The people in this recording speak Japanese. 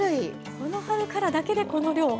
この春からだけでこの量？